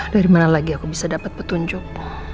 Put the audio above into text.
dari mana lagi aku bisa dapat petunjuk